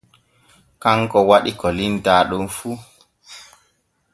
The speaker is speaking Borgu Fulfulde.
Kanko waɗi ko limtaa ɗo fu.